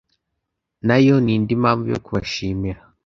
nayo ni indi mpamvu yo kubashimira